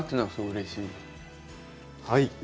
はい。